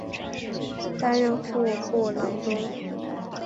担任户部郎中。